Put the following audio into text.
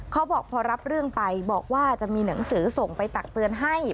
เขาบอกพอรับเรื่องไปบอกว่าจะมีหนังสือส่งไปตักเตือนให้